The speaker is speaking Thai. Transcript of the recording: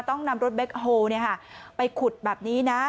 ต้องนำรถแบ็คโฮลไปขุดแบบนี้นะ